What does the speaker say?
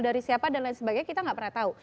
dari siapa dan lain sebagainya kita nggak pernah tahu